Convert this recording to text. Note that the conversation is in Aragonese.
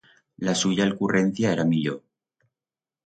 La suya alcurrencia era millor.